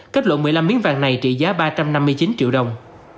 kết lộ một mươi năm miếng vàng này trị giá ba trăm năm mươi chín triệu đồng